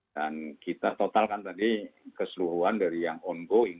dan kita totalkan tadi keseluruhan dari yang ongoing dua ribu lima belas dua ribu sembilan belas